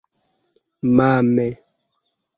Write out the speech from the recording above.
Mame!